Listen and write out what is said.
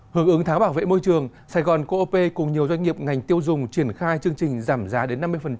hướng ứng tháng bảo vệ môi trường sài gòn co op cùng nhiều doanh nghiệp ngành tiêu dùng triển khai chương trình giảm giá đến năm mươi